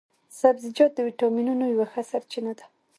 سبزیجات د ویټامینو یوه ښه سرچينه ده